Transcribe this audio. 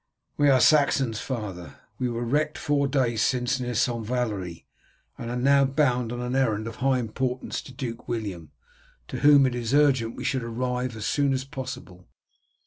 "We are Saxons, father. We were wrecked four days since near St. Valery, and are now bound on an errand of high importance to Duke William, to whom it is urgent we should arrive as soon as possible.